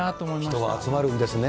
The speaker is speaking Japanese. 人は集まるんですね。